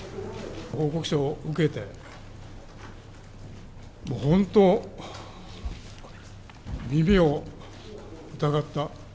報告書を受けて、もう本当、耳を疑った。